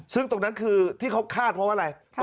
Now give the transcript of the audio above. ซึ่งตรงนั้นคือที่เขาคาดเพราะว่าอะไร